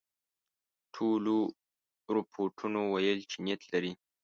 ټولو رپوټونو ویل چې نیت لري.